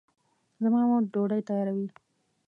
زما مور ډوډۍ تیاروي